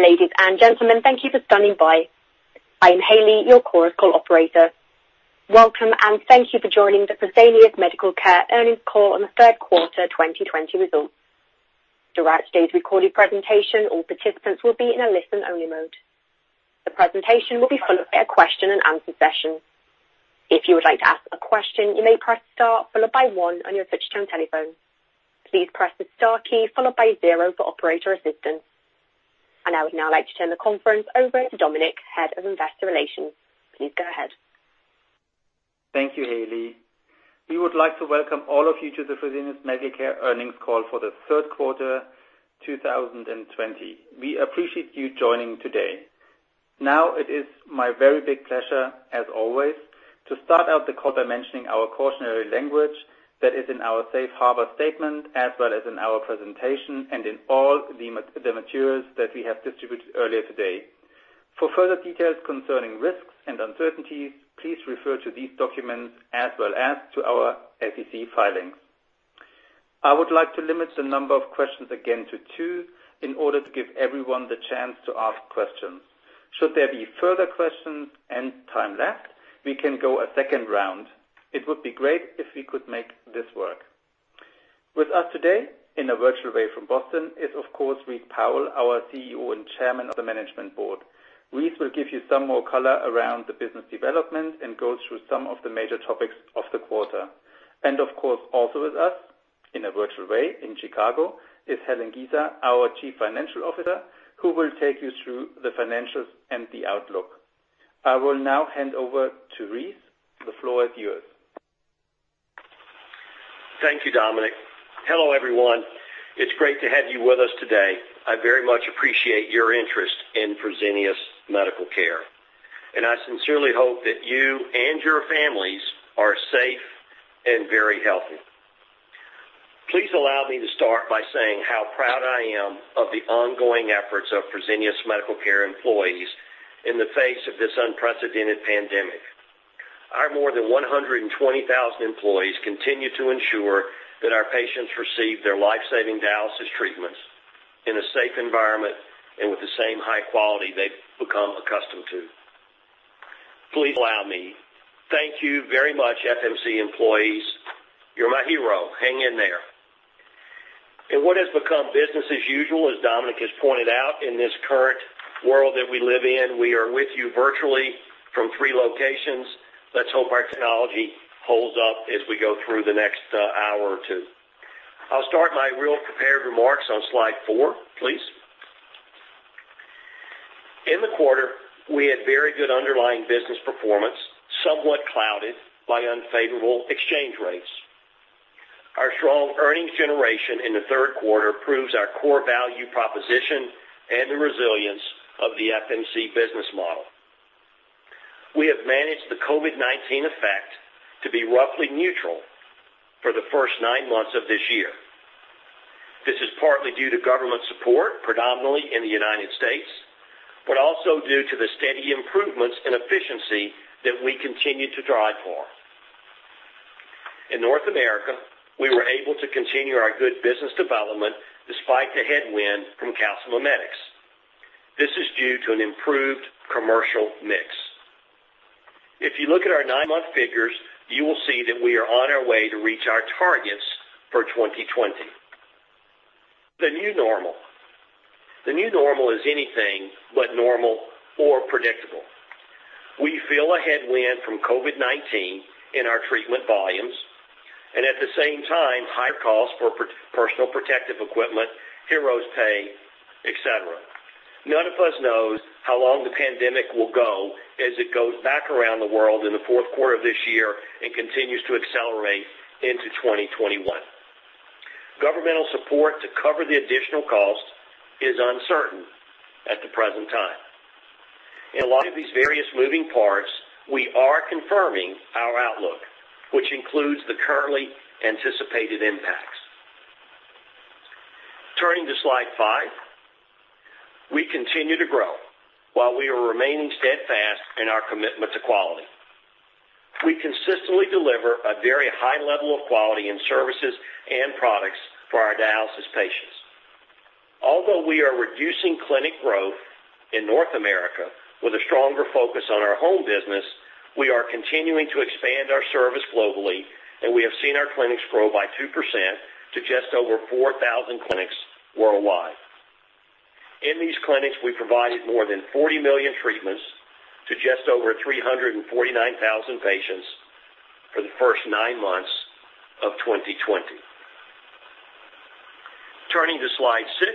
Ladies and gentlemen, thank you for standing by. I am Hailey, your Chorus Call Operator. Welcome, thank you for joining the Fresenius Medical Care Earnings Call on the Third Quarter 2020 Results. Throughout today's recorded presentation, all participants will be in a listen-only mode. The presentation will be followed by a question and answer session. If you would like to ask a question, you may press star followed by one on your touch-tone telephone. Please press the star key followed by zero for operator assistance. I would now like to turn the conference over to Dominik, Head of Investor Relations. Please go ahead. Thank you, Hailey. We would like to welcome all of you to the Fresenius Medical Care Earnings Call for the Third Quarter 2020. We appreciate you joining today. It is my very big pleasure, as always, to start out the call by mentioning our cautionary language that is in our safe harbor statement, as well as in our presentation and in all the materials that we have distributed earlier today. For further details concerning risks and uncertainties, please refer to these documents as well as to our SEC filings. I would like to limit the number of questions again to two in order to give everyone the chance to ask questions. Should there be further questions and time left, we can go a second round. It would be great if we could make this work. With us today, in a virtual way from Boston, is of course, Rice Powell, our CEO and Chairman of the Management Board. Rice will give you some more color around the business development and go through some of the major topics of the quarter. Of course, also with us, in a virtual way in Chicago, is Helen Giza, our Chief Financial Officer, who will take you through the financials and the outlook. I will now hand over to Rice. The floor is yours. Thank you, Dominik. Hello, everyone. It's great to have you with us today. I very much appreciate your interest in Fresenius Medical Care, and I sincerely hope that you and your families are safe and very healthy. Please allow me to start by saying how proud I am of the ongoing efforts of Fresenius Medical Care employees in the face of this unprecedented pandemic. Our more than 120,000 employees continue to ensure that our patients receive their life-saving dialysis treatments in a safe environment and with the same high quality they've become accustomed to. Please allow me. Thank you very much, FMC employees. You're my hero. Hang in there. In what has become business as usual, as Dominik has pointed out, in this current world that we live in, we are with you virtually from three locations. Let's hope our technology holds up as we go through the next hour or two. I'll start my real prepared remarks on slide four, please. In the quarter, we had very good underlying business performance, somewhat clouded by unfavorable exchange rates. Our strong earnings generation in the third quarter proves our core value proposition and the resilience of the FMC business model. We have managed the COVID-19 effect to be roughly neutral for the first nine months of this year. This is partly due to government support, predominantly in the U.S., but also due to the steady improvements in efficiency that we continue to drive for. In North America, we were able to continue our good business development despite the headwind from calcimimetics. This is due to an improved commercial mix. If you look at our nine-month figures, you will see that we are on our way to reach our targets for 2020. The new normal. The new normal is anything but normal or predictable. We feel a headwind from COVID-19 in our treatment volumes and, at the same time, higher costs for personal protective equipment, heroes pay, et cetera. None of us knows how long the pandemic will go as it goes back around the world in the fourth quarter of this year and continues to accelerate into 2021. Governmental support to cover the additional cost is uncertain at the present time. In light of these various moving parts, we are confirming our outlook, which includes the currently anticipated impacts. Turning to Slide five. We continue to grow while we are remaining steadfast in our commitment to quality. We consistently deliver a very high level of quality in services and products for our dialysis patients. Although we are reducing clinic growth in North America with a stronger focus on our home business, we are continuing to expand our service globally, and we have seen our clinics grow by 2% to just over 4,000 clinics worldwide. In these clinics, we provided more than 40 million treatments to just over 349,000 patients for the first nine months of 2020. Turning to Slide six.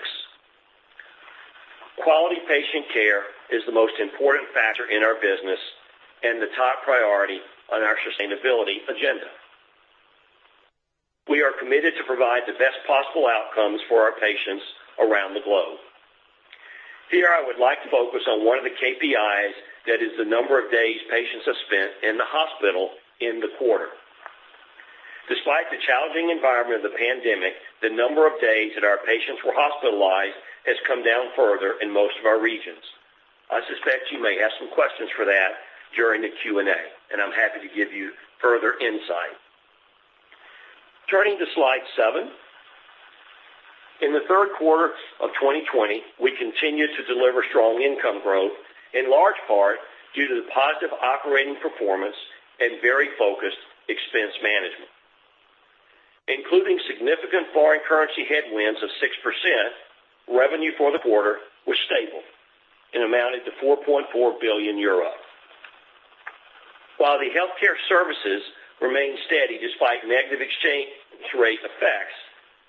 Quality patient care is the most important factor in our business and the top priority on our sustainability agenda. We are committed to provide the best possible outcomes for our patients around the globe. Here, I would like to focus on one of the KPIs, that is the number of days patients have spent in the hospital in the quarter. Despite the challenging environment of the pandemic, the number of days that our patients were hospitalized has come down further in most of our regions. I suspect you may have some questions for that during the Q&A, and I'm happy to give you further insight. Turning to Slide seven. In the third quarter of 2020, we continued to deliver strong income growth, in large part due to the positive operating performance and very focused expense management. Including significant foreign currency headwinds of 6%, revenue for the quarter was stable and amounted to 4.4 billion euro. While the Healthcare Services remained steady despite negative exchange rate effects,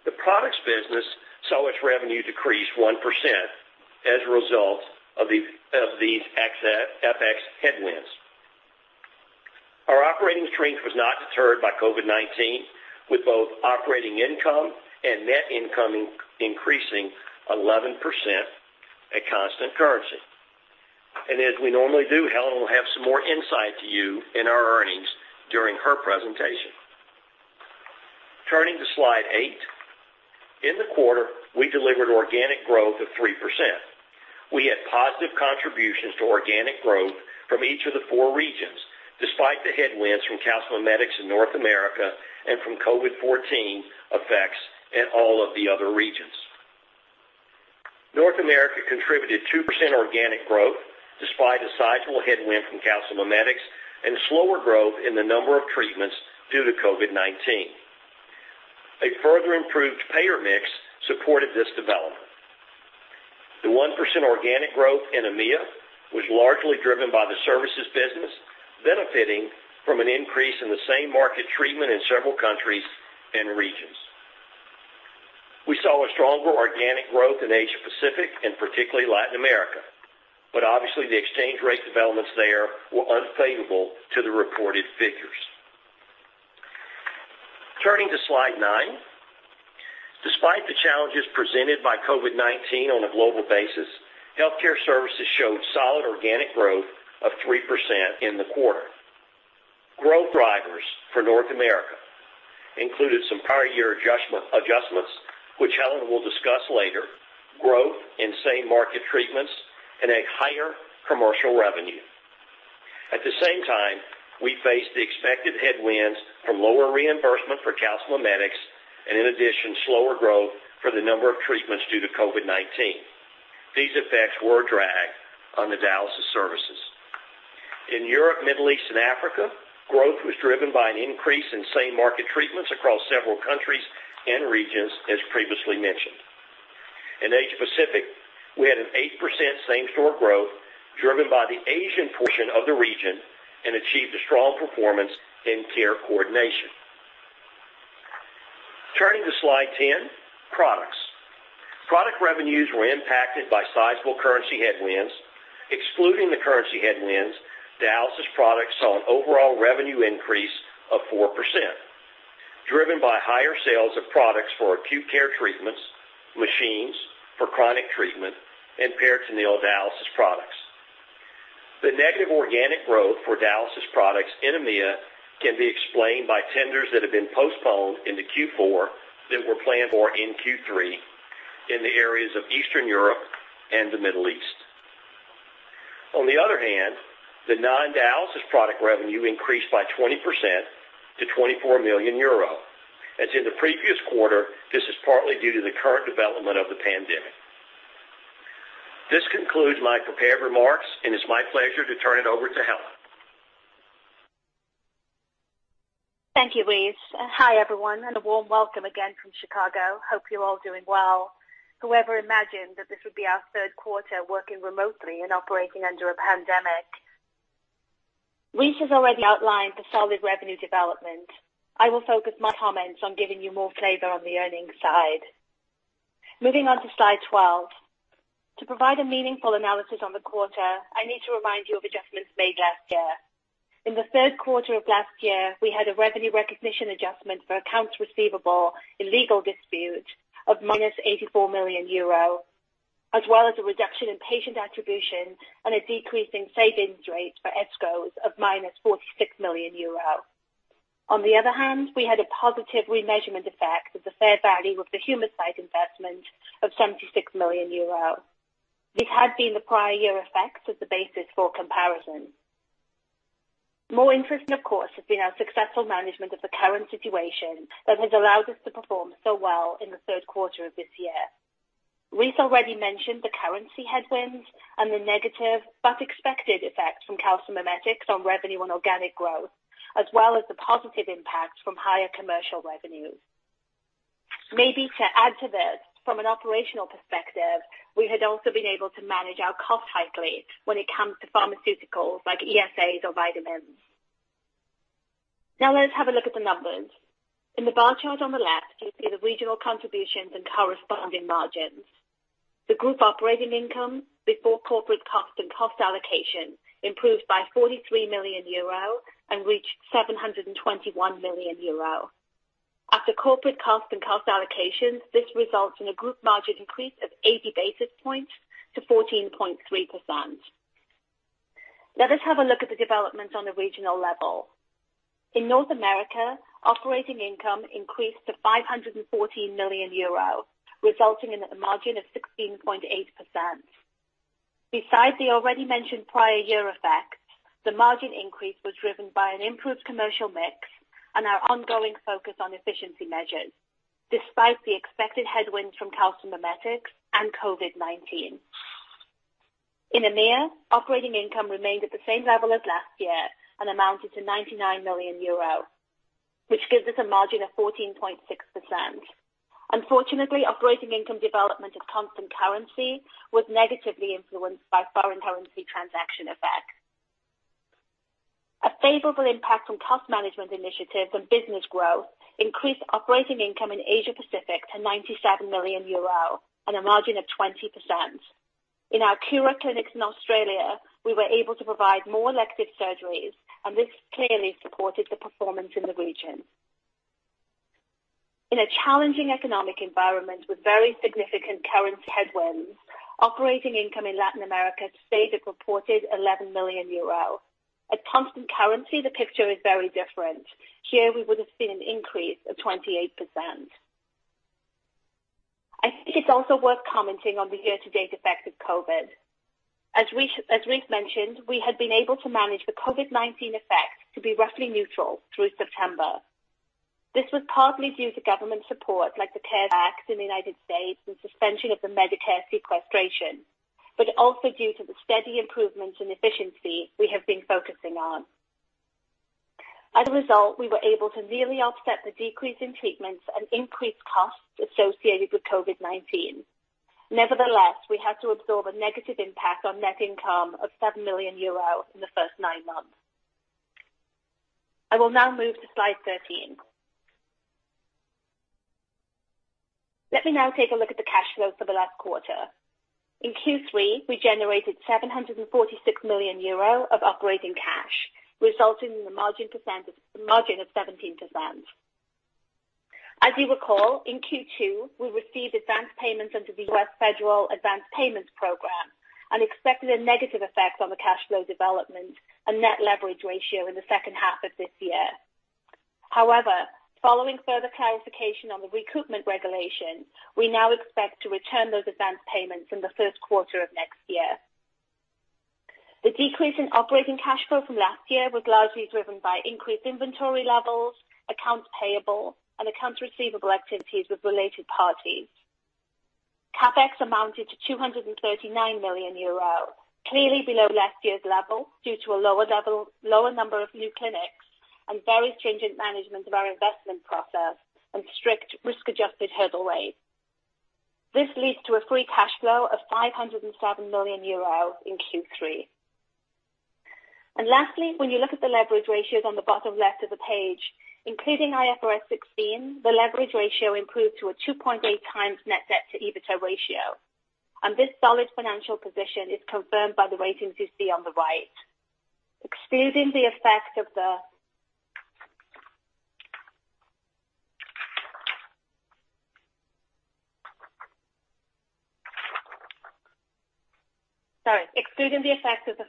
the Products Business saw its revenue decrease 1% as a result of these FX headwinds. Our operating strength was not deterred by COVID-19, with both operating income and net income increasing 11% at constant currency. And as we normally do, Helen will have some more insight to you in our earnings during her presentation. Turning to Slide eight. In the quarter, we delivered organic growth of 3%. We had positive contributions to organic growth from each of the four regions, despite the headwinds from calcimimetics in North America and from COVID-19 effects in all of the other regions. North America contributed 2% organic growth, despite a sizable headwind from calcimimetics and slower growth in the number of treatments due to COVID-19. A further improved payer mix supported this development. The 1% organic growth in EMEA was largely driven by the Services Business benefiting from an increase in the same-market treatment in several countries and regions. We saw a stronger organic growth in Asia Pacific and particularly Latin America, but obviously the exchange rate developments there were unfavorable to the reported figures. Turning to Slide nine. Despite the challenges presented by COVID-19 on a global basis, Healthcare Services showed solid organic growth of 3% in the quarter. Growth drivers for North America included some prior year adjustments, which Helen will discuss later, growth in same-market treatments, and a higher commercial revenue. At the same time, we faced the expected headwinds from lower reimbursement for calcimimetics and in addition, slower growth for the number of treatments due to COVID-19. These effects were a drag on the dialysis services. In Europe, Middle East, and Africa, growth was driven by an increase in same-market treatments across several countries and regions, as previously mentioned. In Asia Pacific, we had an 8% same-store growth driven by the Asian portion of the region and achieved a strong performance in care coordination. Turning to Slide 10, products. Product revenues were impacted by sizable currency headwinds. Excluding the currency headwinds, dialysis products saw an overall revenue increase of 4%, driven by higher sales of products for acute care treatments, machines for chronic treatment, and peritoneal dialysis products. The negative organic growth for dialysis products in EMEA can be explained by tenders that have been postponed into Q4 that were planned for in Q3 in the areas of Eastern Europe and the Middle East. On the other hand, the non-dialysis product revenue increased by 20% to 24 million euro. As in the previous quarter, this is partly due to the current development of the pandemic. This concludes my prepared remarks, and it's my pleasure to turn it over to Helen. Thank you, Rice. Hi, everyone, and a warm welcome again from Chicago. Hope you're all doing well. Whoever imagined that this would be our third quarter working remotely and operating under a pandemic. Rice has already outlined the solid revenue development. I will focus my comments on giving you more flavor on the earnings side. Moving on to slide 12. To provide a meaningful analysis on the quarter, I need to remind you of adjustments made last year. In the third quarter of last year, we had a revenue recognition adjustment for accounts receivable in legal dispute of -84 million euro, as well as a reduction in patient attribution and a decrease in savings rates for ESCOs of -46 million euro. On the other hand, we had a positive remeasurement effect of the fair value of the Humacyte investment of 76 million euro. These had been the prior year effects as the basis for comparison. More interesting, of course, has been our successful management of the current situation that has allowed us to perform so well in the third quarter of this year. Rice already mentioned the currency headwinds and the negative but expected effect from calcimimetics on revenue and organic growth, as well as the positive impact from higher commercial revenue. Maybe to add to this from an operational perspective, we had also been able to manage our cost tightly when it comes to pharmaceuticals like ESAs or vitamins. Let us have a look at the numbers. In the bar chart on the left, you see the regional contributions and corresponding margins. The group operating income before corporate cost and cost allocation improved by 43 million euro and reached 721 million euro. After corporate cost and cost allocations, this results in a group margin increase of 80 basis points to 14.3%. Let us have a look at the developments on a regional level. In North America, operating income increased to 514 million euro, resulting in a margin of 16.8%. Besides the already mentioned prior year effects, the margin increase was driven by an improved commercial mix and our ongoing focus on efficiency measures, despite the expected headwinds from calcimimetics and COVID-19. In EMEA, operating income remained at the same level as last year and amounted to 99 million euro, which gives us a margin of 14.6%. Unfortunately, operating income development at constant currency was negatively influenced by foreign currency transaction effects. A favorable impact from cost management initiatives and business growth increased operating income in Asia Pacific to EUR 97 million on a margin of 20%. In our Cura clinics in Australia, we were able to provide more elective surgeries, and this clearly supported the performance in the region. In a challenging economic environment with very significant currency headwinds, operating income in Latin America stayed at reported 11 million euro. At constant currency, the picture is very different. Here, we would have seen an increase of 28%. I think it's also worth commenting on the year-to-date effect of COVID. As Rice mentioned, we had been able to manage the COVID-19 effects to be roughly neutral through September. This was partly due to government support, like the CARES Act in the United States and suspension of the Medicare sequestration, but also due to the steady improvements in efficiency we have been focusing on. As a result, we were able to nearly offset the decrease in treatments and increase costs associated with COVID-19. Nevertheless, we had to absorb a negative impact on net income of 7 million euros in the first nine months. I will now move to Slide 13. Let me now take a look at the cash flow for the last quarter. In Q3, we generated 746 million euro of operating cash, resulting in the margin of 17%. As you recall, in Q2, we received advanced payments under the US Federal Advance Payment program and expected a negative effect on the cash flow development and net leverage ratio in the second half of this year. However, following further clarification on the recoupment regulations, we now expect to return those advanced payments in the first quarter of next year. The decrease in operating cash flow from last year was largely driven by increased inventory levels, accounts payable, and accounts receivable activities with related parties. CapEx amounted to 239 million euro, clearly below last year's level due to a lower number of new clinics and various change in management of our investment process and strict risk-adjusted hurdle rates. This leads to a free cash flow of 507 million euros in Q3. Lastly, when you look at the leverage ratios on the bottom left of the page, including IFRS 16, the leverage ratio improved to a 2.8x net debt to EBITDA ratio, and this solid financial position is confirmed by the ratings you see on the right. Excluding the effect of the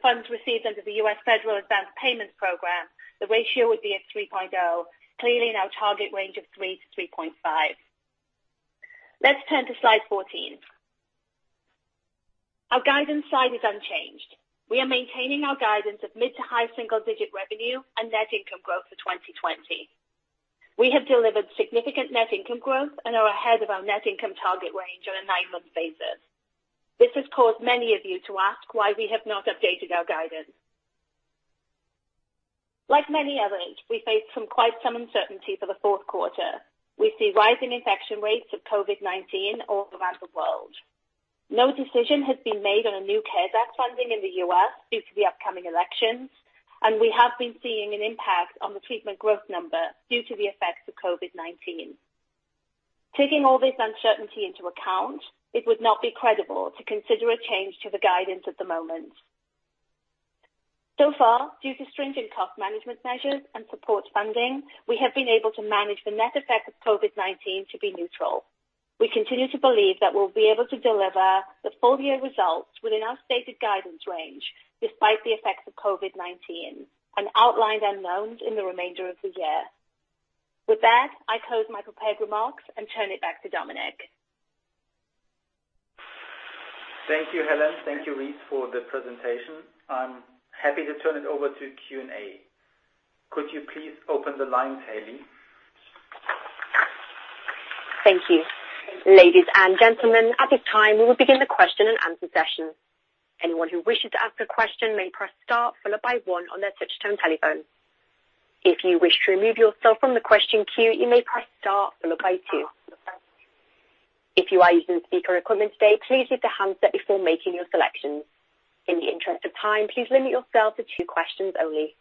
funds received under the US Federal Advanced Payments program, the ratio would be at 3.0x, clearly in our target range of 3x-3.5x. Let's turn to Slide 14. Our guidance slide is unchanged. We are maintaining our guidance of mid to high single-digit revenue and net income growth for 2020. We have delivered significant net income growth and are ahead of our net income target range on a nine-month basis. This has caused many of you to ask why we have not updated our guidance. Like many others, we face some quite some uncertainty for the fourth quarter. We see rising infection rates of COVID-19 all around the world. No decision has been made on a new CARES Act funding in the U.S. due to the upcoming elections, and we have been seeing an impact on the treatment growth number due to the effects of COVID-19. Taking all this uncertainty into account, it would not be credible to consider a change to the guidance at the moment. So far, due to stringent cost management measures and support funding, we have been able to manage the net effect of COVID-19 to be neutral. We continue to believe that we'll be able to deliver the full-year results within our stated guidance range, despite the effects of COVID-19 and outlined unknowns in the remainder of the year. With that, I close my prepared remarks and turn it back to Dominik. Thank you, Helen. Thank you, Rice, for the presentation. I'm happy to turn it over to Q&A. Could you please open the lines, Hailey? Thank you. Ladies and gentlemen, at this time, we will begin the question and answer session. Anyone who wishes to ask a question may press star followed by one on their touch-tone telephone. If you wish to remove yourself from the question queue, you may press star followed by two. If you are using speaker equipment today, please hit the handset before making your selections. In the interest of time, please limit yourself to two questions only.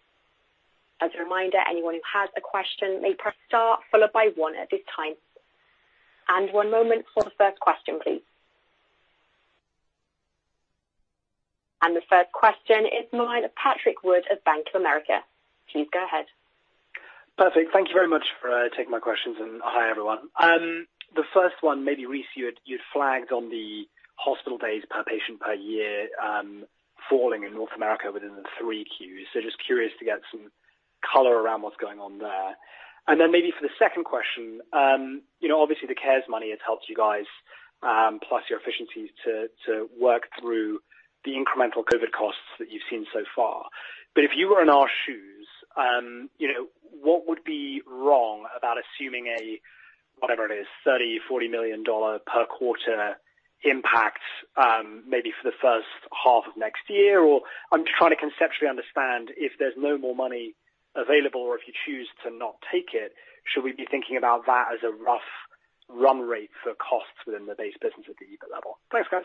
As a reminder, anyone who has a question may press star followed by one at this time. One moment for the first question, please. The first question is the line of Patrick Wood of Bank of America. Please go ahead. Perfect. Thank you very much for taking my questions, and hi, everyone. The first one, maybe Rice, you had flagged on the hospital days per patient per year falling in North America within the 3Qs. Curious to get some color around what's going on there. Maybe for the second question, obviously the CARES Act money has helped you guys, plus your efficiency to work through the incremental COVID costs that you've seen so far. If you were in our shoes, what would be wrong about assuming a, whatever it is, $30 million, $40 million per quarter impact maybe for the first half of next year? I'm trying to conceptually understand if there's no more money available or if you choose to not take it, should we be thinking about that as a rough run rate for costs within the base business at the EBIT level? Thanks, guys.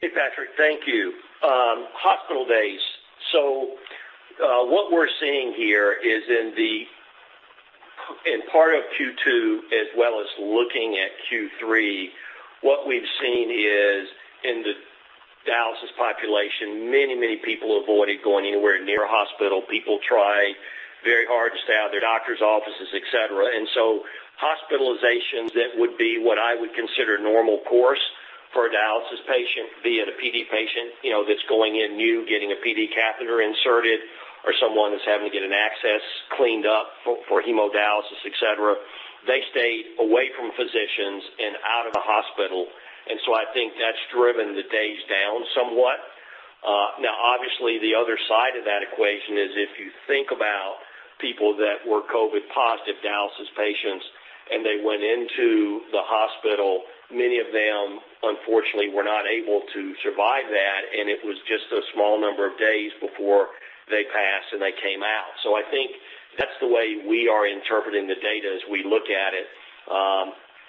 Hey, Patrick. Thank you. Hospital days. What we're seeing here is in part of Q2 as well as looking at Q3, what we've seen is in the dialysis population, many people avoided going anywhere near a hospital. People tried very hard to stay out of their doctor's offices, et cetera. Hospitalizations that would be what I would consider normal course for a dialysis patient, be it a PD patient that's going in new, getting a PD catheter inserted, or someone that's having to get an access cleaned up for hemodialysis, et cetera, they stayed away from physicians and out of the hospital. I think that's driven the days down somewhat. Obviously, the other side of that equation is if you think about people that were COVID positive dialysis patients, and they went into the hospital, many of them unfortunately were not able to survive that, and it was just a small number of days before they passed and they came out. I think that's the way we are interpreting the data as we look at it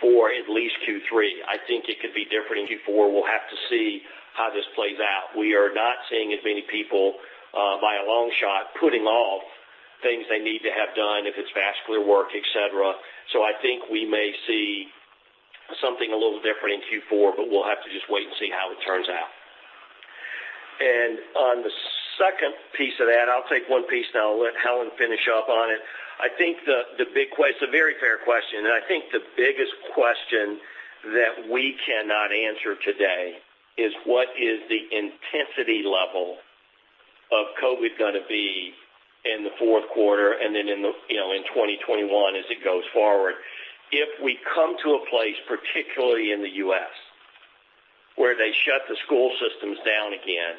for at least Q3. I think it could be different in Q4. We'll have to see how this plays out. We are not seeing as many people, by a long shot, putting off things they need to have done if it's vascular work, et cetera. I think we may see something a little different in Q4, but we'll have to just wait and see how it turns out. And on the second piece of that, I'll take one piece, and I'll let Helen finish up on it. It's a very fair question, and I think the biggest question that we cannot answer today is what is the intensity level of COVID going to be in the fourth quarter and then in 2021 as it goes forward. If we come to a place, particularly in the U.S., where they shut the school systems down again,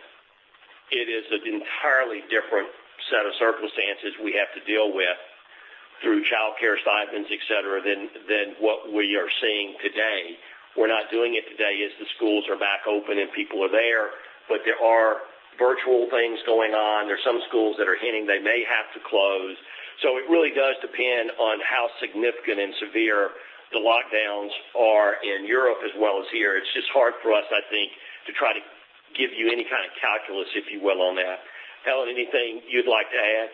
it is an entirely different set of circumstances we have to deal with through childcare stipends, et cetera, than what we are seeing today. We're not doing it today as the schools are back open and people are there, but there are virtual things going on. There's some schools that are hinting they may have to close. It really does depend on how significant and severe the lockdowns are in Europe as well as here. It is just hard for us, I think, to try to give you any kind of calculus, if you will, on that. Helen, anything you would like to add?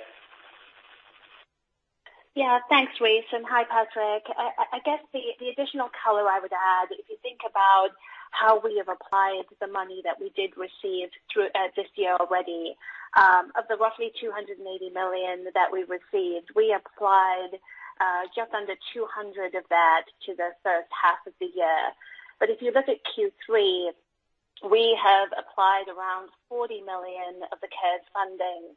Thanks, Rice, and hi, Patrick. I guess the additional color I would add, if you think about how we have applied the money that we did receive this year already. Of the roughly 280 million that we received, we applied just under 200 million of that to the first half of the year. If you look at Q3, we have applied around 40 million of the CARES funding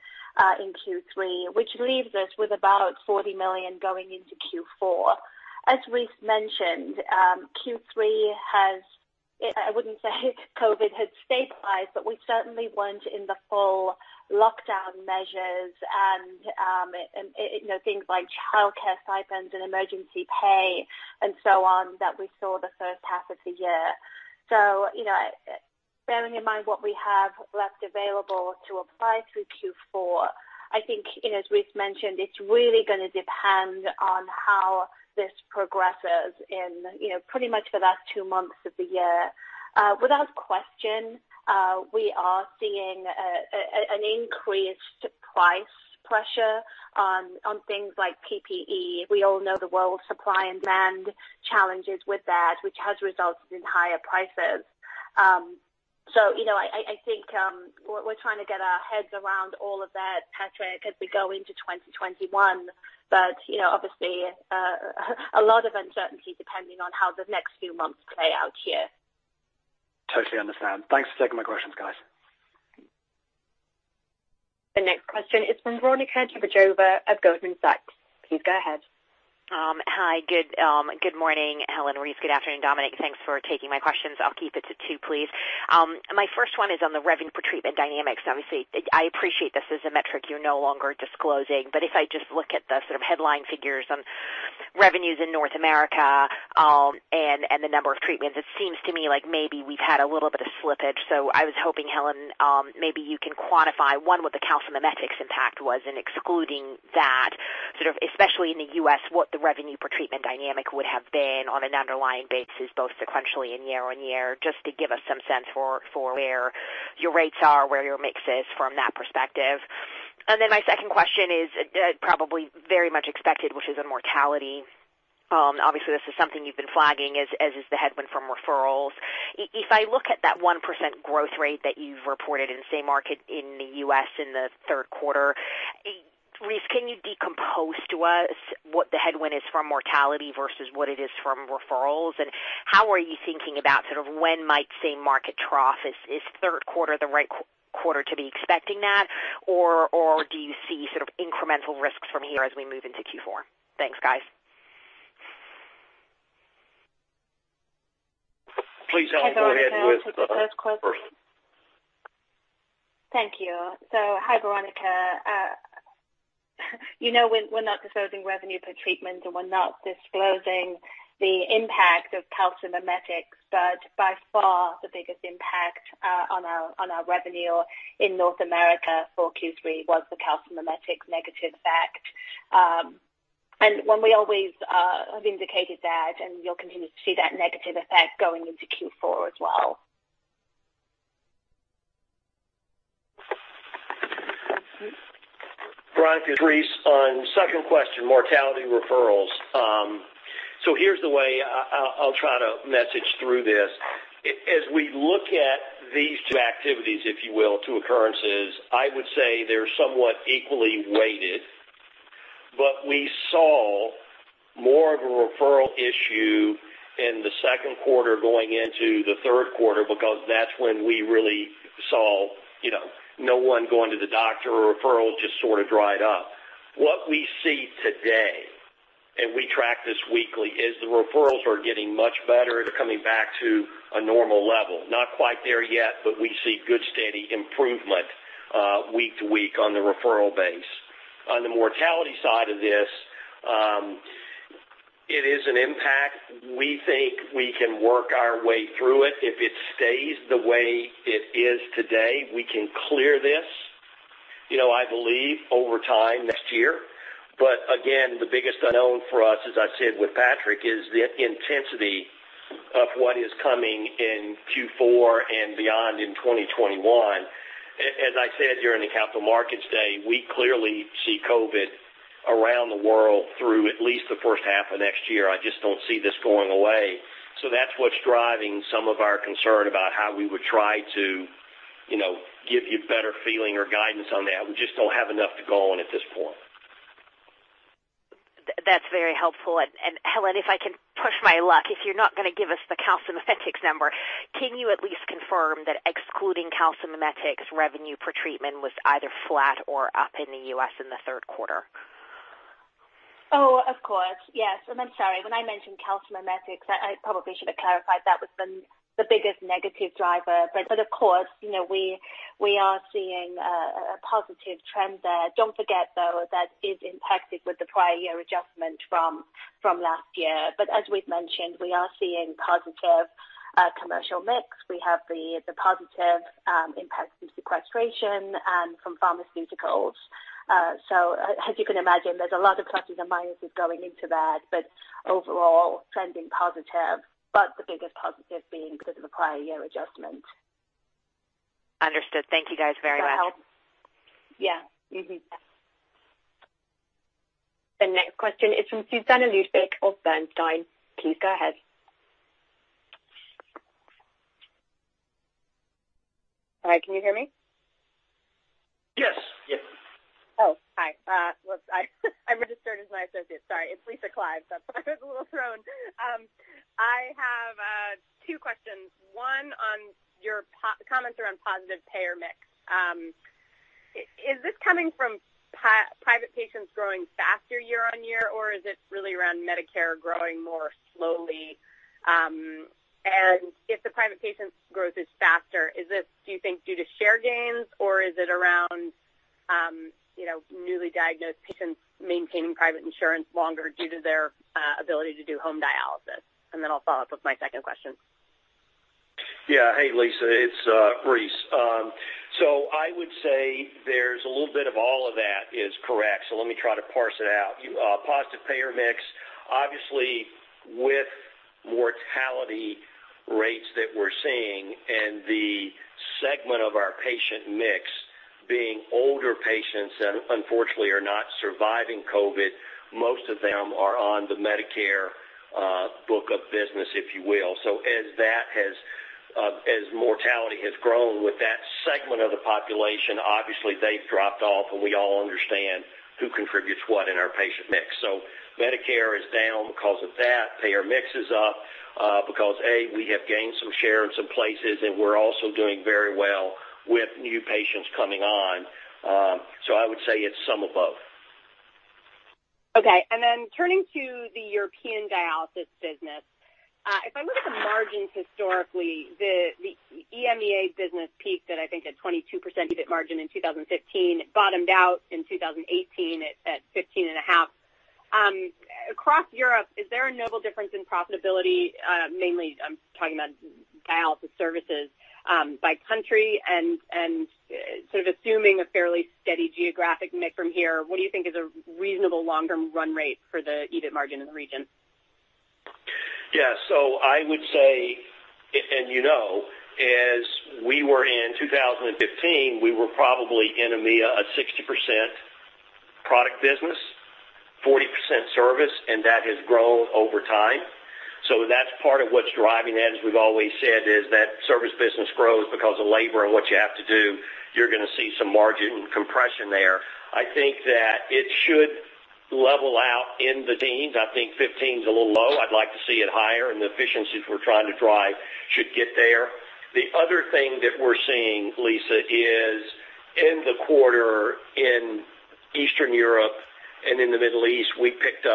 in Q3, which leaves us with about 40 million going into Q4. As Rice mentioned, Q3 has, I wouldn't say COVID has stabilized, but we certainly weren't in the full lockdown measures and things like childcare stipends and emergency pay and so on that we saw the first half of the year. Bearing in mind what we have left available to apply through Q4, I think as Rice mentioned, it's really going to depend on how this progresses in pretty much the last two months of the year. Without question, we are seeing an increased price pressure on things like PPE. We all know the world supply and demand challenges with that, which has resulted in higher prices. I think we're trying to get our heads around all of that, Patrick, as we go into 2021. Obviously, a lot of uncertainty depending on how the next few months play out here. Totally understand. Thanks for taking my questions, guys. The next question is from Veronika Dubajova of Goldman Sachs. Please go ahead. Hi, good morning, Helen and Rice. Good afternoon, Dominik. Thanks for taking my questions. I'll keep it to two, please. My first one is on the revenue per treatment dynamics. Obviously, I appreciate this is a metric you're no longer disclosing, but if I just look at the headline figures on revenues in North America and the number of treatments, it seems to me like maybe we've had a little bit of slippage. I was hoping, Helen, maybe you can quantify, one, what the calcimimetics impact was in excluding that, especially in the U.S., what the revenue per treatment dynamic would have been on an underlying basis, both sequentially and year-over-year, just to give us some sense for where your rates are, where your mix is from that perspective. My second question is probably very much expected, which is on mortality. Obviously, this is something you've been flagging as is the headwind from referrals. If I look at that 1% growth rate that you've reported in same market in the U.S. in the third quarter, Rice, can you decompose to us what the headwind is from mortality versus what it is from referrals? How are you thinking about when might, same-market trough is? Is third quarter the right quarter to be expecting that? Do you see incremental risks from here as we move into Q4? Thanks, guys. Please, Helen, go ahead with the first. Thank you. Hi, Veronika. We're not disclosing revenue per treatment, and we're not disclosing the impact of calcimimetics, but by far the biggest impact on our revenue in North America for Q3 was the calcimimetics negative effect. When we always have indicated that, and you'll continue to see that negative effect going into Q4 as well. Veronika, it's Rice. On the second question, mortality referrals. Here's the way I'll try to message through this. As we look at these two activities, if you will, two occurrences, I would say they're somewhat equally weighted. We saw more of a referral issue in the second quarter going into the third quarter because that's when we really saw no one going to the doctor or referrals just sort of dried up. What we see today, and we track this weekly, is the referrals are getting much better. They're coming back to a normal level. Not quite there yet, we see good, steady improvement week to week on the referral base. On the mortality side of this, it is an impact. We think we can work our way through it. If it stays the way it is today, we can clear this, I believe, over time next year. But again, the biggest unknown for us, as I said with Patrick, is the intensity of what is coming in Q4 and beyond in 2021. As I said during the Capital Markets Day, we clearly see COVID around the world through at least the first half of next year. I just don't see this going away. That's what's driving some of our concern about how we would try to give you better feeling or guidance on that. We just don't have enough to go on at this point. That's very helpful. Helen, if I can push my luck, if you're not going to give us the calcimimetics number, can you at least confirm that excluding calcimimetics revenue per treatment was either flat or up in the U.S. in the third quarter? Oh, of course. Yes. I'm sorry, when I mentioned calcimimetics, I probably should have clarified that was the biggest negative driver. Of course, we are seeing a positive trend there. Don't forget, though, that is impacted with the prior year adjustment from last year. As we've mentioned, we are seeing positive commercial mix. We have the positive impact from sequestration and from pharmaceuticals. As you can imagine, there's a lot of pluses and minuses going into that, but overall trending positive, but the biggest positive being because of the prior year adjustment. Understood. Thank you guys very much. Does that help? Yeah. The next question is from Susannah Ludwig of Bernstein. Please go ahead. Hi, can you hear me? Yes. Oh, hi. I registered as my associate. Sorry. It's Lisa Clive, so I was a little thrown. I have two questions. One on your comments around positive payer mix. Is this coming from private patients growing faster year on year, or is it really around Medicare growing more slowly? If the private patients growth is faster, is this, do you think, due to share gains, or is it around newly diagnosed patients maintaining private insurance longer due to their ability to do home dialysis? I'll follow up with my second question. Yeah. Hey, Lisa, it's Rice. I would say there's a little bit of all of that is correct. Let me try to parse it out. Positive payer mix, obviously with mortality rates that we're seeing and the segment of our patient mix being older patients that unfortunately are not surviving COVID, most of them are on the Medicare book of business, if you will. As mortality has grown with that segment of the population, obviously they've dropped off and we all understand who contributes what in our patient mix. Medicare is down because of that. Payer mix is up because, A, we have gained some share in some places, and we're also doing very well with new patients coming on. I would say it's some of both. Okay. Turning to the European dialysis business. If I look at the margins historically, the EMEA business peaked at, I think, a 22% EBIT margin in 2015. It bottomed out in 2018 at 15.5%. Across Europe, is there a notable difference in profitability? Mainly, I'm talking about dialysis services by country and sort of assuming a fairly steady geographic mix from here. What do you think is a reasonable long-term run rate for the EBIT margin in the region? Yeah. I would say, you know, as we were in 2015, we were probably in EMEA, a 60% Product Business, 40% Service, and that has grown over time. That's part of what's driving that, as we've always said, is that Service Business grows because of labor and what you have to do, you're going to see some margin compression there. I think that it should level out in the teens. I think 15% a little low. I'd like to see it higher. The efficiencies we're trying to drive should get there. The other thing that we're seeing, Lisa, is in the quarter in Eastern Europe and in the Middle East, we picked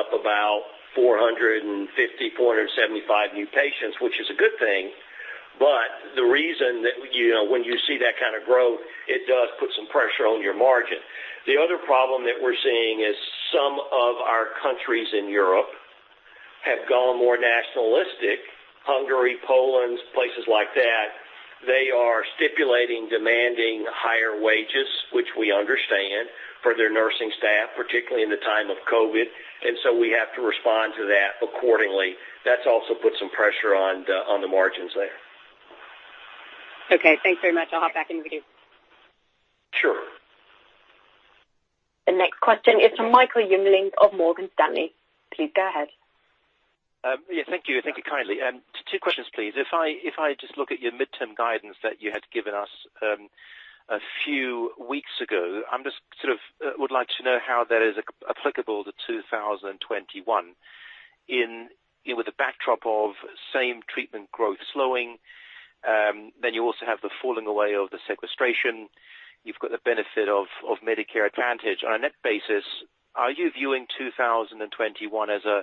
up about 450, 475 new patients, which is a good thing. The reason that when you see that kind of growth, it does put some pressure on your margin. The other problem that we're seeing is some of our countries in Europe have gone more nationalistic, Hungary, Poland, places like that. They are stipulating, demanding higher wages, which we understand, for their nursing staff, particularly in the time of COVID, and so we have to respond to that accordingly. That's also put some pressure on the margins there. Okay, thanks very much. I'll hop back in queue. Sure. The next question is from Michael Jungling of Morgan Stanley. Please go ahead. Yeah, thank you. Thank you kindly. Two questions, please. If I just look at your midterm guidance that you had given us a few weeks ago, I'm just would like to know how that is applicable to 2021 in with the backdrop of same treatment growth slowing. You also have the falling away of the sequestration. You've got the benefit of Medicare Advantage. On a net basis, are you viewing 2021 as a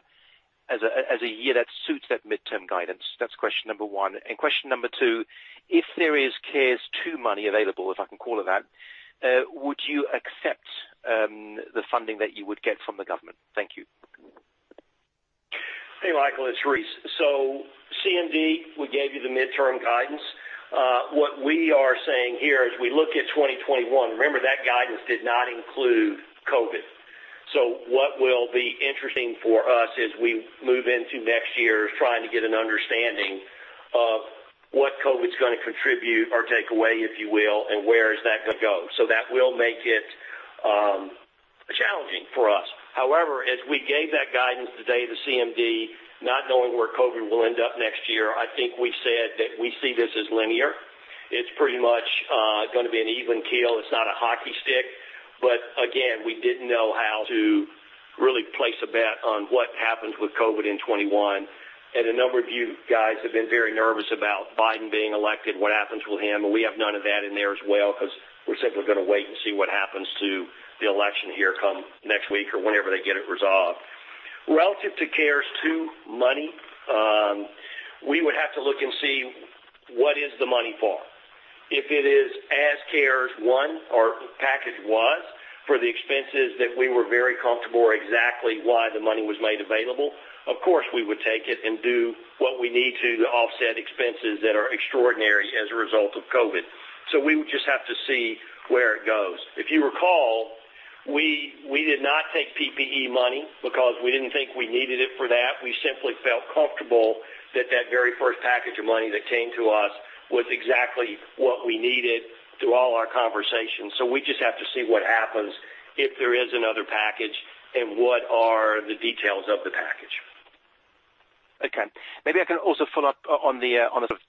year that suits that midterm guidance? That's question number one. Question number two, if there is CARES 2 money available, if I can call it that, would you accept the funding that you would get from the government? Thank you. Hey, Michael, it's Rice. CMD, we gave you the midterm guidance. What we are saying here is we look at 2021. Remember that guidance did not include COVID. What will be interesting for us as we move into next year is trying to get an understanding of what COVID's going to contribute or take away, if you will, and where is that going to go. That will make it challenging for us. However, as we gave that guidance today, the CMD, not knowing where COVID will end up next year, I think we said that we see this as linear. It's pretty much going to be an even keel. It's not a hockey stick. Again, we didn't know how to really place a bet on what happens with COVID in 2021. A number of you guys have been very nervous about Biden being elected, what happens with him, and we have none of that in there as well because we're simply going to wait and see what happens to the election here come next week or whenever they get it resolved. Relative to CARES 2 money, we would have to look and see what is the money for. If it is as CARES 1 or package was for the expenses that we were very comfortable or exactly why the money was made available, of course, we would take it and do what we need to offset expenses that are extraordinary as a result of COVID. We would just have to see where it goes. If you recall, we did not take PPE money because we didn't think we needed it for that. We simply felt comfortable that that very first package of money that came to us was exactly what we needed through all our conversations. We just have to see what happens if there is another package and what are the details of the package. Okay. I can also follow up on the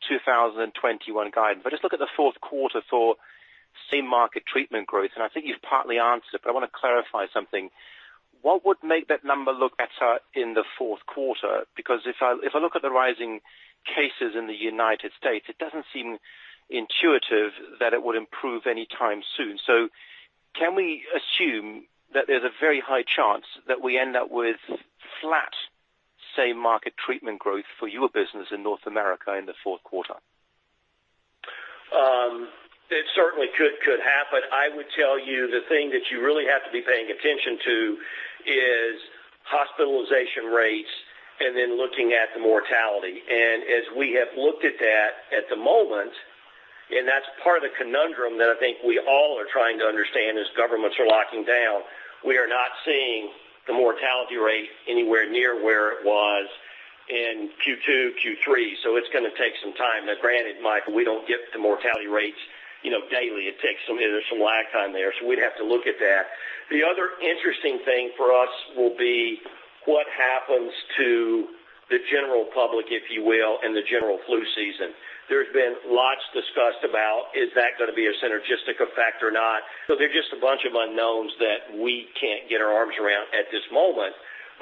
2021 guidance, just look at the fourth quarter for same market treatment growth, I think you've partly answered, I want to clarify something. What would make that number look better in the fourth quarter? If I look at the rising cases in the United States, it doesn't seem intuitive that it would improve any time soon. Can we assume that there's a very high chance that we end up with flat same market treatment growth for your business in North America in the fourth quarter? It certainly could happen. I would tell you the thing that you really have to be paying attention to is hospitalization rates and then looking at the mortality. As we have looked at that at the moment, and that's part of the conundrum that I think we all are trying to understand as governments are locking down. We are not seeing the mortality rate anywhere near where it was in Q2, Q3. It's going to take some time. Now, granted, Michael, we don't get the mortality rates daily. There's some lag time there. We'd have to look at that. The other interesting thing for us will be what happens to the general public, if you will, and the general flu season. There's been lots discussed about is that going to be a synergistic effect or not? They're just a bunch of unknowns that we can't get our arms around at this moment.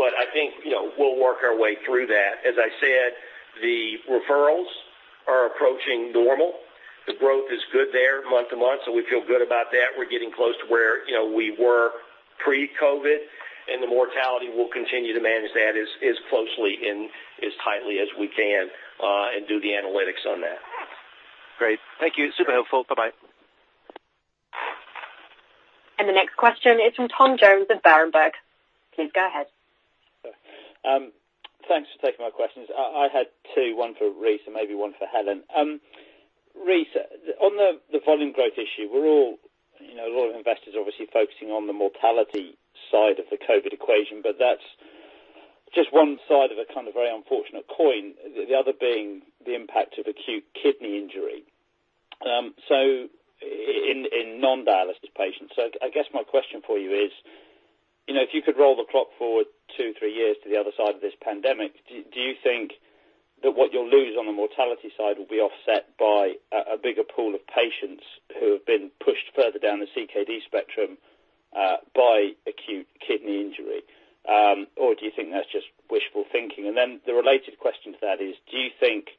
I think we'll work our way through that. As I said, the referrals are approaching normal. The growth is good there month-to-month, we feel good about that. We're getting close to where we were pre-COVID, the mortality will continue to manage that as closely and as tightly as we can, and do the analytics on that. Great. Thank you. Super helpful. Bye-bye. The next question is from Tom Jones of Berenberg. Please go ahead. Thanks for taking my questions. I had two, one for Rice and maybe one for Helen. Rice, on the volume growth issue, a lot of investors are obviously focusing on the mortality side of the COVID equation, but that's just one side of a kind of very unfortunate coin, the other being the impact of acute kidney injury in non-dialysis patients. I guess my question for you is, if you could roll the clock forward two, three years to the other side of this pandemic, do you think that what you'll lose on the mortality side will be offset by a bigger pool of patients who have been pushed further down the CKD spectrum by acute kidney injury? Do you think that's just wishful thinking? The related question to that is, do you think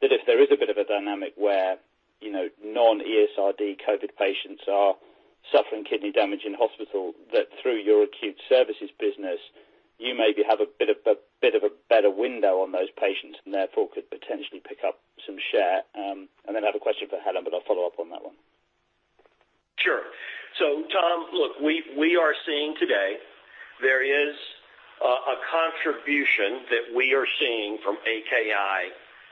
that if there is a bit of a dynamic where non-ESRD COVID patients are suffering kidney damage in hospital, that through your acute services business, you maybe have a bit of a better window on those patients and therefore could potentially pick up some share? I have a question for Helen, but I'll follow up on that one. Sure. Tom, look, we are seeing today there is a contribution that we are seeing from AKI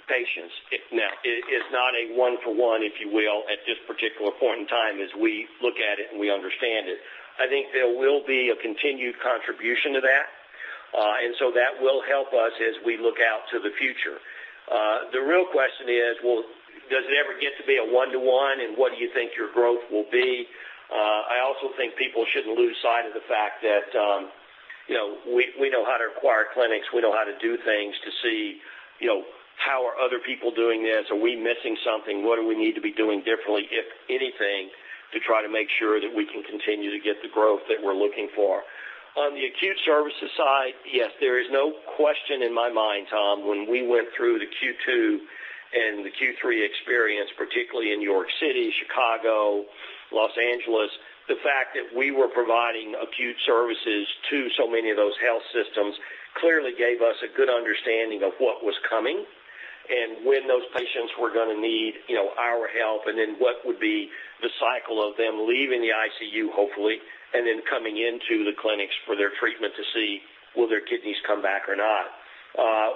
patients. Now, it is not a one-to-one, if you will, at this particular point in time as we look at it and we understand it. I think there will be a continued contribution to that. That will help us as we look out to the future. The real question is, well, does it ever get to be a one-to-one, and what do you think your growth will be? I also think people shouldn't lose sight of the fact that we know how to acquire clinics. We know how to do things to see how are other people doing this. Are we missing something? What do we need to be doing differently, if anything, to try to make sure that we can continue to get the growth that we're looking for. On the acute services side, yes, there is no question in my mind, Tom, when we went through the Q2 and the Q3 experience, particularly in New York City, Chicago, Los Angeles, the fact that we were providing acute services to so many of those health systems clearly gave us a good understanding of what was coming and when those patients were going to need our help, and then what would be the cycle of them leaving the ICU. Hopefully, and then coming into the clinics for their treatment to see will their kidneys come back or not.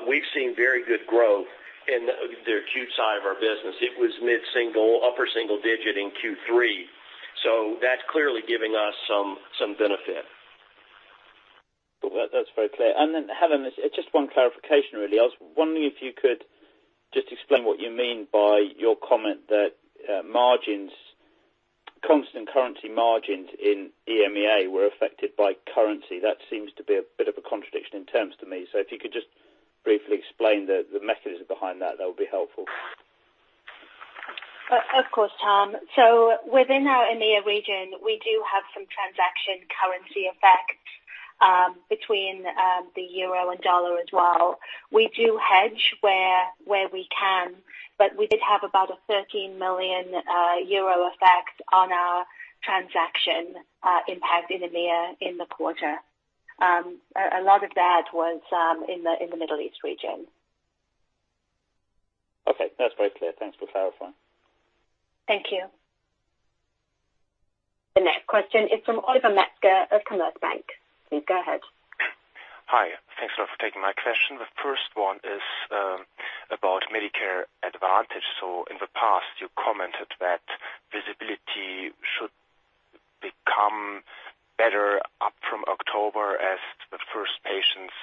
We've seen very good growth in the acute side of our business. It was mid-single, upper single digit in Q3, so that's clearly giving us some benefit. Well, that's very clear. Helen, just one clarification, really. I was wondering if you could just explain what you mean by your comment that constant currency margins in EMEA were affected by currency. That seems to be a bit of a contradiction in terms to me. If you could just briefly explain the mechanism behind that would be helpful. Of course, Tom. Within our EMEA region, we do have some transaction currency effects between the euro and dollar as well. We do hedge where we can, but we did have about a 13 million euro effect on our transaction impact in EMEA in the quarter. A lot of that was in the Middle East region. Okay, that's very clear. Thanks for clarifying. Thank you. The next question is from Oliver Metzger of Commerzbank. Please go ahead. Hi. Thanks a lot for taking my question. The first one is about Medicare Advantage. In the past, you commented that visibility should become better up from October as the first patients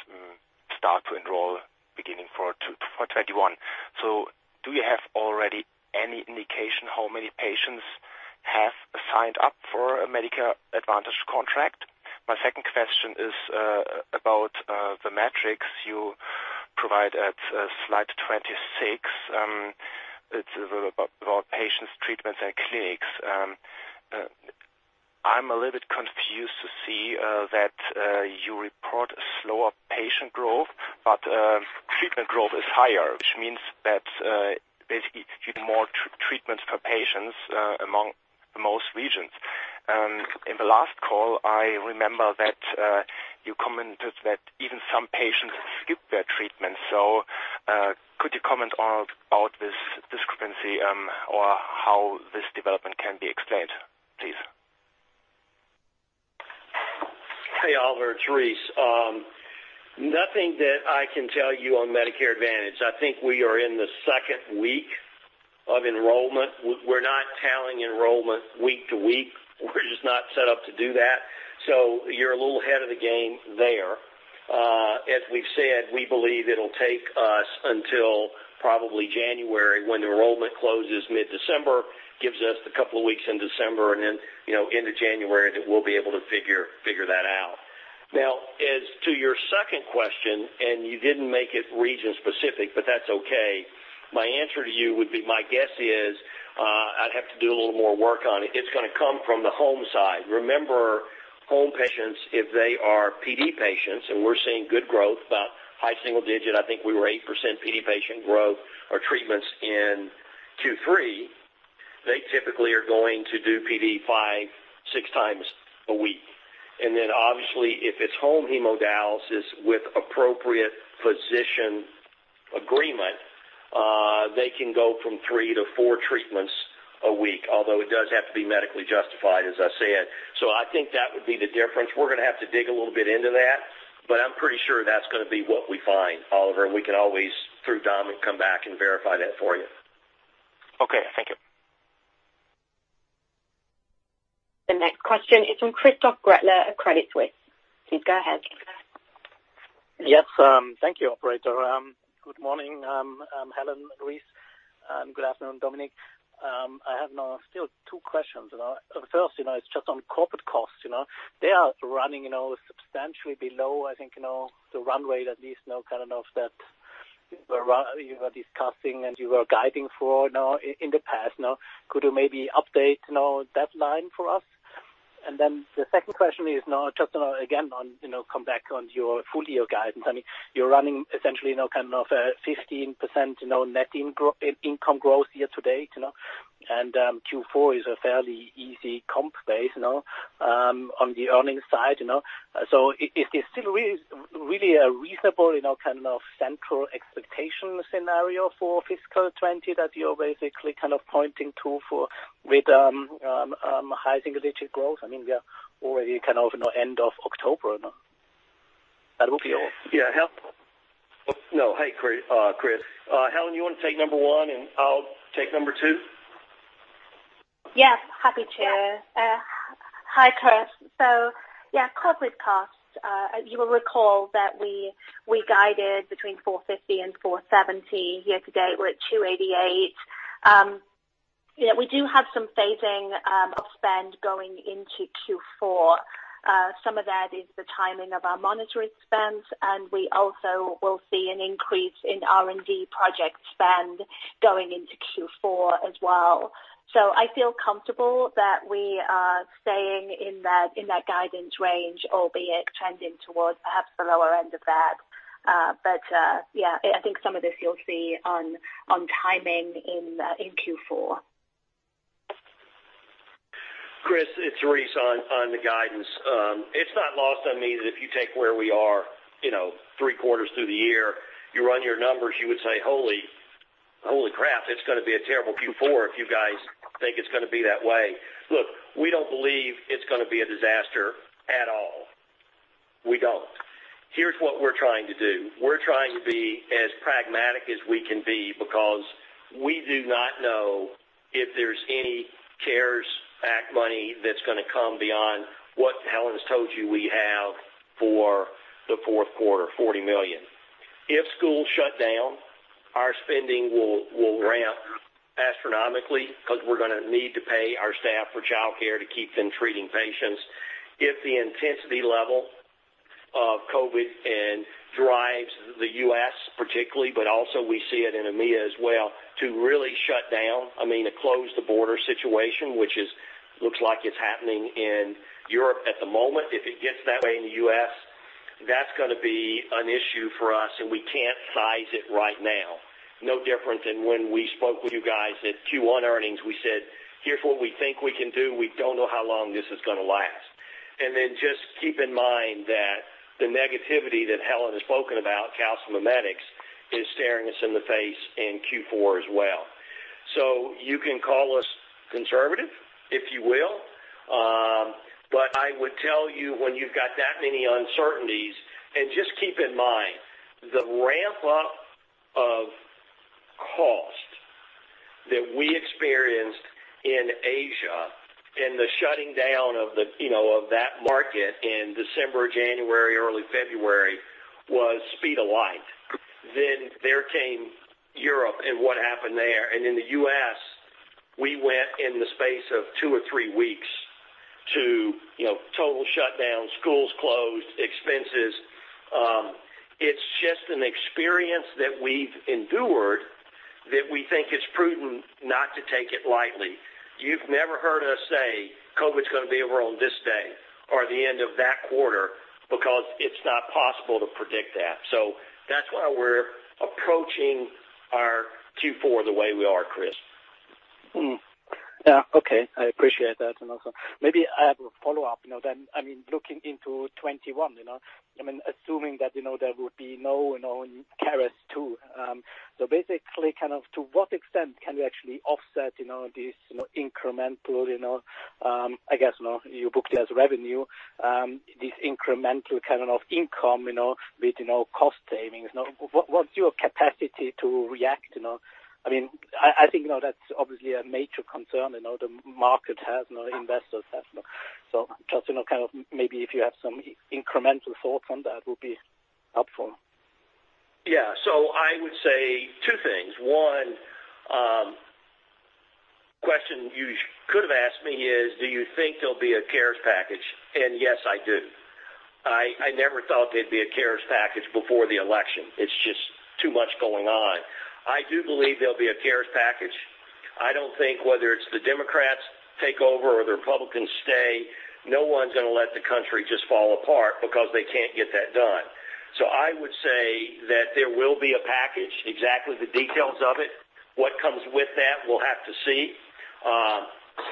start to enroll beginning for 2021. Do you have already any indication how many patients have signed up for a Medicare Advantage contract? My second question is about the metrics you provide at Slide 26. It is about patients, treatments, and clinics. I am a little confused to see that you report a slower patient growth, treatment growth is higher, which means that basically you do more treatments per patients among most regions. In the last call, I remember that you commented that even some patients skip their treatment. Could you comment on this discrepancy, or how this development can be explained, please? Hey, Oliver, it's Rice. Nothing that I can tell you on Medicare Advantage. I think we are in the second week of enrollment. We're not tallying enrollment week to week. We're just not set up to do that. You're a little ahead of the game there. As we've said, we believe it'll take us until probably January when the enrollment closes mid-December, gives us a couple of weeks in December, and then into January that we'll be able to figure that out. Now, as to your second question, and you didn't make it region-specific, but that's okay. My answer to you would be, my guess is, I'd have to do a little more work on it. It's going to come from the home side. Remember, home patients, if they are PD patients, and we're seeing good growth, about high single digit, I think we were 8% PD patient growth or treatments in Q3. They typically are going to do PD 5x, 6x a week. Then obviously if it's home hemodialysis with appropriate physician agreement, they can go from 3-4 treatments a week, although it does have to be medically justified, as I said. I think that would be the difference. We're going to have to dig a little bit into that, but I'm pretty sure that's going to be what we find, Oliver, and we can always, through Tom, come back and verify that for you. Okay. Thank you. Question is from Christoph Gretler of Credit Suisse. Please go ahead. Yes. Thank you, operator. Good morning, Helen and Rice, and good afternoon, Dominik. I have still two questions. First, it's just on corporate costs. They are running substantially below, I think, the runway that needs now kind of that you were discussing and you were guiding for now in the past. Could you maybe update now that line for us? The second question is now just again on come back on your full year guidance. I mean, you're running essentially now kind of a 15% net income growth year to date. Q4 is a fairly easy comp base now on the earnings side. Is there still really a reasonable kind of central expectation scenario for fiscal 2020 that you're basically kind of pointing to for with high single-digit growth? I mean, we are already kind of end of October now. That will be all. Yeah. No. Hey, Chris. Helen, you want to take number one, and I'll take number two? Yes, happy to. Hi, Chris. Yeah, corporate costs, you will recall that we guided between 450 and 470. Year to date, we're at 288. We do have some phasing of spend going into Q4. Some of that is the timing of our monitoring spends, and we also will see an increase in R&D project spend going into Q4 as well. I feel comfortable that we are staying in that guidance range, albeit trending towards perhaps the lower end of that. Yeah, I think some of this you'll see on timing in Q4. Christoph, it's Rice on the guidance. It's not lost on me that if you take where we are three quarters through the year, you run your numbers, you would say, "Holy crap, it's going to be a terrible Q4 if you guys think it's going to be that way." Look, we don't believe it's going to be a disaster at all. We don't. Here's what we're trying to do. We're trying to be as pragmatic as we can be because we do not know if there's any CARES Act money that's going to come beyond what Helen has told you we have for the fourth quarter, 40 million. If schools shut down, our spending will ramp astronomically because we're going to need to pay our staff for childcare to keep them treating patients. If the intensity level of COVID drives the U.S. particularly, but also we see it in EMEA as well, to really shut down, I mean, a close-the-border situation, which looks like it's happening in Europe at the moment. If it gets that way in the U.S., that's going to be an issue for us, and we can't size it right now. No different than when we spoke with you guys at Q1 earnings. We said, "Here's what we think we can do. We don't know how long this is going to last." Just keep in mind that the negativity that Helen Giza has spoken about, calcimimetics, is staring us in the face in Q4 as well. You can call us conservative, if you will. But I would tell you when you've got that many uncertainties, and just keep in mind the ramp-up of cost that we experienced in Asia and the shutting down of that market in December, January, early February, was speed of light. There came Europe and what happened there. In the U.S., we went in the space of two or three weeks to total shutdown, schools closed, expenses. It's just an experience that we've endured that we think is prudent not to take it lightly. You've never heard us say COVID's going to be over on this day or the end of that quarter because it's not possible to predict that. That's why we're approaching our Q4 the way we are, Chris. Yeah. Okay. I appreciate that. Also maybe I have a follow-up. I mean, looking into 2021, assuming that there would be no CARES 2. Basically kind of to what extent can we actually offset this incremental, I guess now you booked as revenue, this incremental kind of income with cost savings. What's your capacity to react? I think that's obviously a major concern the market has now, investors have now. Just kind of maybe if you have some incremental thought from that would be helpful. I would say two things. One question you could have asked me is, do you think there'll be a CARES package? Yes, I do. I never thought there'd be a CARES package before the election. It's just too much going on. I do believe there'll be a CARES package. I don't think whether it's the Democrats take over or the Republicans stay, no one's going to let the country just fall apart because they can't get that done. I would say that there will be a package. Exactly the details of it, what comes with that, we'll have to see.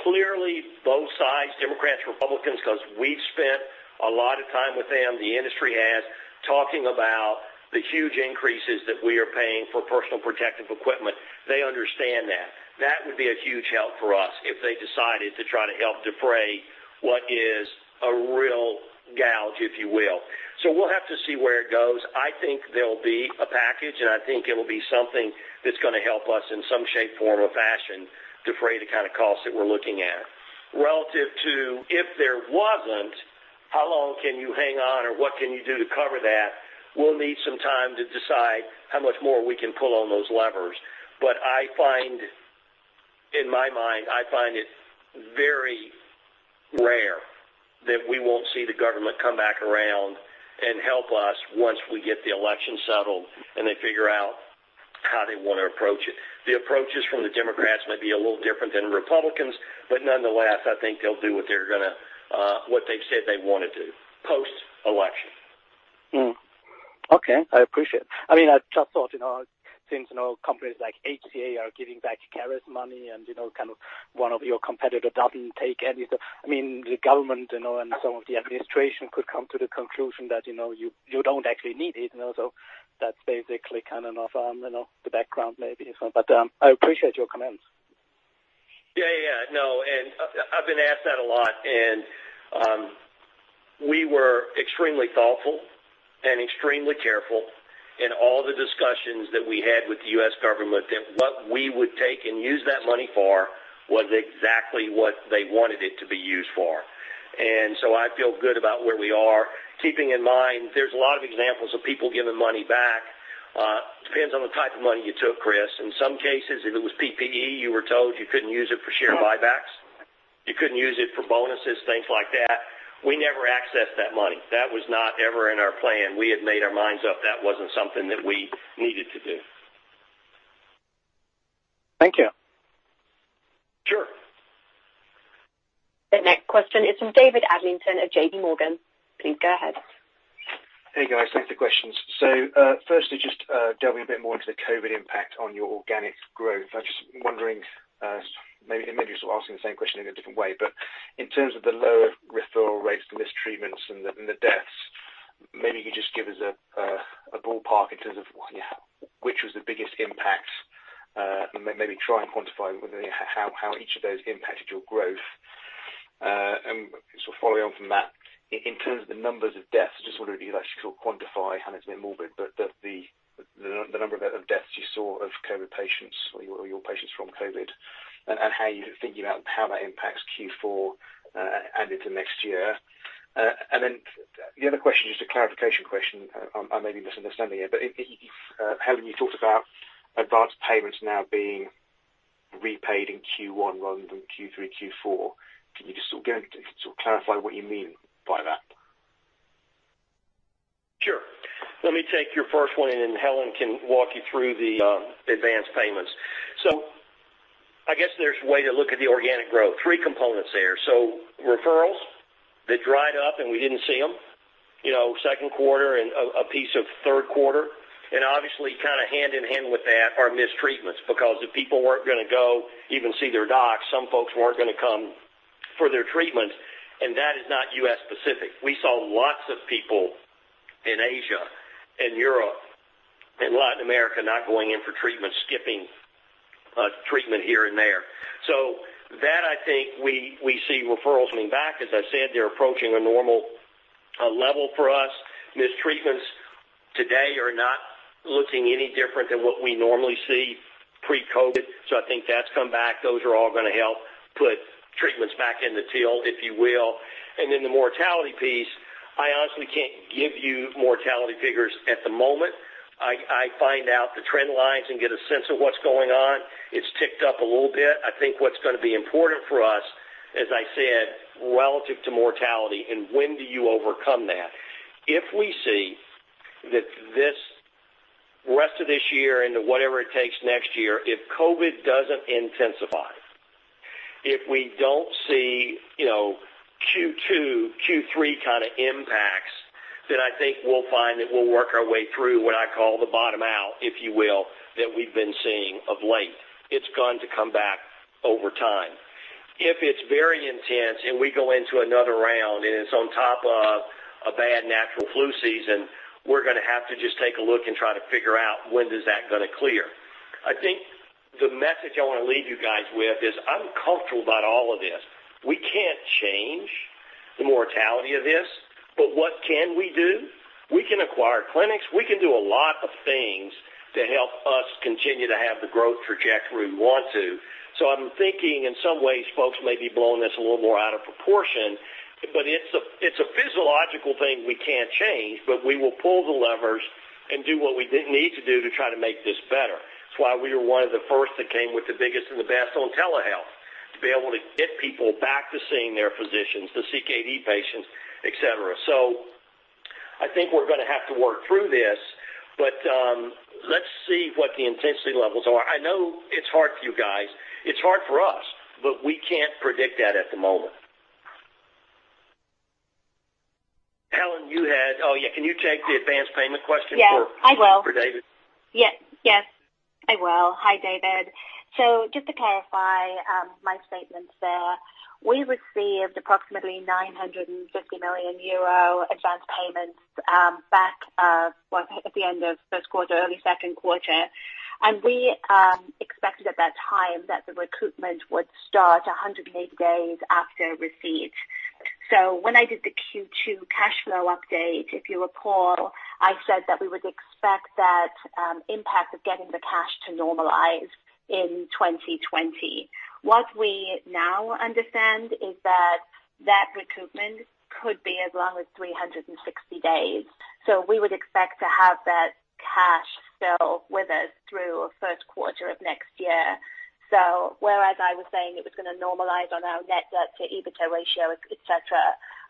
Clearly, both sides, Democrats, Republicans, because we've spent a lot of time with them, the industry has, talking about the huge increases that we are paying for personal protective equipment. They understand that. That would be a huge help for us if they decided to try to help defray what is a real gouge, if you will. We'll have to see where it goes. I think there'll be a package, and I think it'll be something that's going to help us in some shape, form, or fashion defray the kind of cost that we're looking at. Relative to if there wasn't, how long can you hang on or what can you do to cover that? We'll need some time to decide how much more we can pull on those levers. I find, in my mind, I find it very rare that we won't see the government come back around and help us once we get the election settled and they figure out how they want to approach it. The approaches from the Democrats might be a little different than Republicans, but nonetheless, I think they'll do what they've said they want to do post-election. Okay. I appreciate. I just thought since companies like HCA are giving back CARES money and one of your competitor doesn't take any, the government and some of the administration could come to the conclusion that you don't actually need it. That's basically kind of the background maybe. I appreciate your comments. I've been asked that a lot, we were extremely thoughtful and extremely careful in all the discussions that we had with the U.S. government that what we would take and use that money for was exactly what they wanted it to be used for. I feel good about where we are. Keeping in mind, there's a lot of examples of people giving money back. Depends on the type of money you took, Chris. In some cases, if it was PPE, you were told you couldn't use it for share buybacks. You couldn't use it for bonuses, things like that. We never accessed that money. That was not ever in our plan. We had made our minds up. That wasn't something that we needed to do. Thank you. Sure. The next question is from David Adlington of JPMorgan. Please go ahead. Hey, guys. Thanks for the questions. Firstly, just delving a bit more into the COVID impact on your organic growth. I'm just wondering, maybe just asking the same question in a different way, but in terms of the lower referral rates, the missed treatments, and the deaths, maybe you could just give us a ballpark in terms of which was the biggest impact, and maybe try and quantify how each of those impacted your growth. Following on from that, in terms of the numbers of deaths, I just wonder if you'd actually quantify, I know it's a bit morbid, but the number of deaths you saw of COVID patients or your patients from COVID, and how you're thinking about how that impacts Q4 and into next year. Then the other question, just a clarification question. I may be misunderstanding here, Helen, you talked about advanced payments now being repaid in Q1 rather than Q3, Q4. Can you just clarify what you mean by that? Sure. Let me take your first one, and then Helen can walk you through the advanced payments. I guess there's a way to look at the organic growth. Three components there. Referrals that dried up, and we didn't see them second quarter and a piece of third quarter. And obviously kind of hand in hand with that are missed treatments, because if people weren't going to go even see their docs, some folks weren't going to come for their treatments, and that is not US specific. We saw lots of people in Asia and Europe and Latin America not going in for treatment, skipping treatment here and there. That I think we see referrals coming back. As I said, they're approaching a normal level for us. Mistreatments today are not looking any different than what we normally see pre-COVID. I think that's come back. Those are all going to help put treatments back in the till, if you will. I honestly can't give you mortality figures at the moment. I find out the trend lines and get a sense of what's going on. It's ticked up a little bit. I think what's going to be important for us, as I said, relative to mortality and when do you overcome that. If we see that this rest of this year into whatever it takes next year, if COVID doesn't intensify, if we don't see Q2, Q3 kind of impacts, then I think we'll find that we'll work our way through what I call the bottom out, if you will, that we've been seeing of late. It's going to come back over time. If it's very intense and we go into another round and it's on top of a bad natural flu season, we're going to have to just take a look and try to figure out when does that going to clear. I think the message I want to leave you guys with is I'm comfortable about all of this. We can't change the mortality of this, but what can we do? We can acquire clinics. We can do a lot of things to help us continue to have the growth trajectory we want to. I'm thinking in some ways, folks may be blowing this a little more out of proportion, but it's a physiological thing we can't change, but we will pull the levers and do what we need to do to try to make this better. It's why we were one of the first that came with the biggest and the best on telehealth to be able to get people back to seeing their physicians, the CKD patients, et cetera. I think we're going to have to work through this, but let's see what the intensity levels are. I know it's hard for you guys. It's hard for us, but we can't predict that at the moment. Helen, can you take the advanced payment question for David? Yes, I will. Hi, David. Just to clarify my statements there, we received approximately 950 million euro advanced payments back at the end of first quarter, early second quarter. We expected at that time that the recoupment would start 180 days after receipt. When I did the Q2 cash flow update, if you recall, I said that we would expect that impact of getting the cash to normalize in 2020. What we now understand is that that recoupment could be as long as 360 days. We would expect to have that cash still with us through first quarter of next year. Whereas I was saying it was going to normalize on our net debt to EBITDA ratio, et cetera,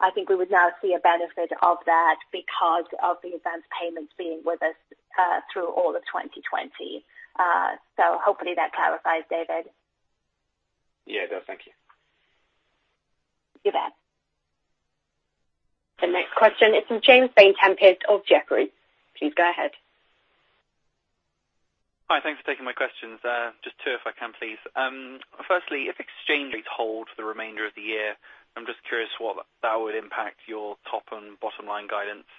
I think we would now see a benefit of that because of the advanced payments being with us through all of 2020. Hopefully that clarifies, David. Yeah, it does. Thank you. You bet. The next question is from James Vane-Tempest of Jefferies. Please go ahead. Hi. Thanks for taking my questions. Just two if I can please. Firstly, if exchange rates hold for the remainder of the year, I'm just curious what that would impact your top and bottom-line guidance.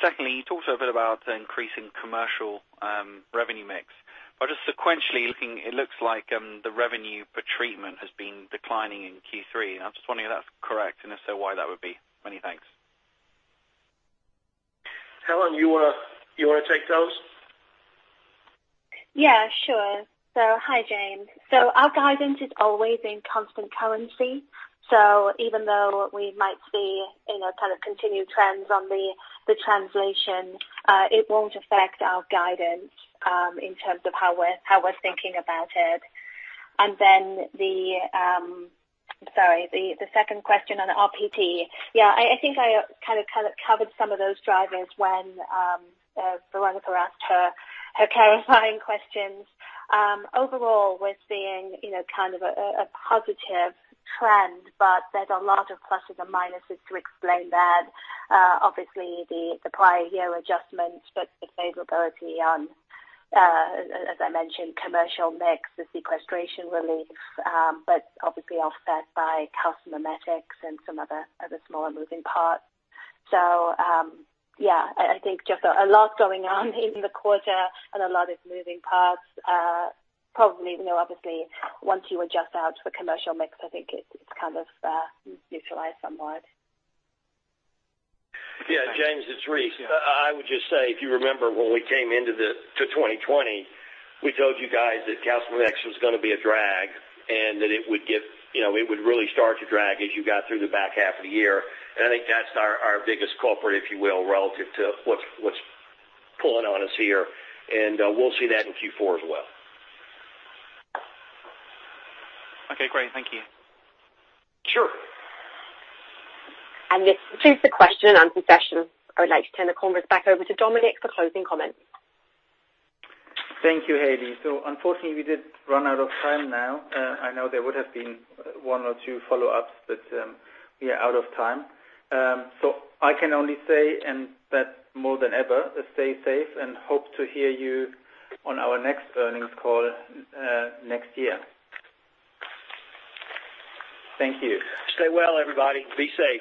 Secondly, you talked a bit about increasing commercial revenue mix. Just sequentially looking, it looks like the revenue per treatment has been declining in Q3, and I'm just wondering if that's correct, and if so, why that would be. Many thanks. Helen, you want to take those? Yeah, sure. Hi, James. Our guidance is always in constant currency. Even though we might see kind of continued trends on the translation, it won't affect our guidance in terms of how we're thinking about it. The second question on the RPT. I think I kind of covered some of those drivers when Veronika asked her clarifying questions. Overall, we're seeing kind of a positive trend, but there's a lot of pluses and minuses to explain that. Obviously, the prior year adjustments, but the favorability on, as I mentioned, commercial mix, the sequestration relief, but obviously offset by calcimimetics and some other smaller moving parts. So yeah I think just a lot going on in the quarter and a lot of moving parts. Probably, obviously, once you adjust out the commercial mix, I think it's kind of neutralized somewhat. Yeah, James, it's Rice. I would just say, if you remember when we came into 2020, we told you guys that calcimimetics was going to be a drag and that it would really start to drag as you got through the back half of the year. I think that's our biggest culprit, if you will, relative to what's pulling on us here. We'll see that in Q4 as well. Okay, great. Thank you. Sure. This concludes the question and answer session. I would like to turn the conference back over to Dominik for closing comments. Thank you, Hailey. Unfortunately, we did run out of time now. I know there would have been one or two follow-ups, we are out of time. I can only say, and that more than ever, stay safe and hope to hear you on our next earnings call next year. Thank you. Stay well, everybody. Be safe.